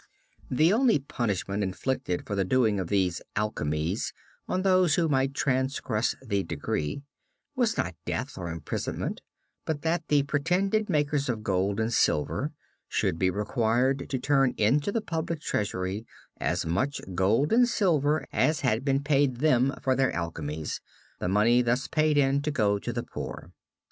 The only punishment inflicted for the doing of these "alchemies" on those who might transgress the decree was not death or imprisonment, but that the pretended makers of gold and silver should be required to turn into the public treasury as much gold and silver as had been paid them for their alchemies, the money thus paid in to go to the poor.